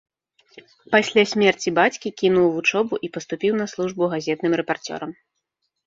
Пасля смерці бацькі кінуў вучобу і паступіў на службу газетным рэпарцёрам.